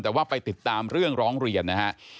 แต่ว่าไปติดตามเรื่องร้องเรียนนะฮะ